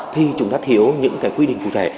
thì chúng ta thiếu những quy định cụ thể